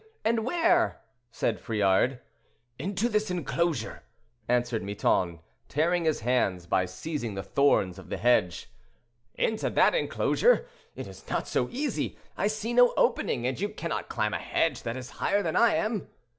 and where?" said Friard. "Into this inclosure," answered Miton tearing his hands by seizing the thorns of the hedge. "Into that inclosure, it is not so easy. I see no opening, and you cannot climb a hedge that is higher than I am."